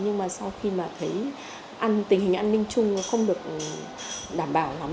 nhưng mà sau khi mà thấy tình hình an ninh chung không được đảm bảo lắm